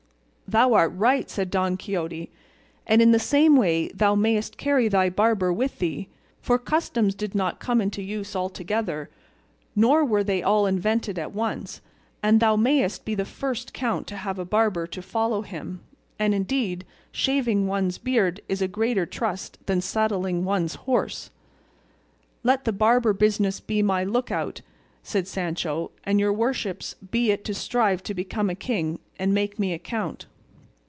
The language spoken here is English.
"Thou art right," said Don Quixote, "and in the same way thou mayest carry thy barber with thee, for customs did not come into use all together, nor were they all invented at once, and thou mayest be the first count to have a barber to follow him; and, indeed, shaving one's beard is a greater trust than saddling one's horse." "Let the barber business be my look out," said Sancho; "and your worship's be it to strive to become a king, and make me a count."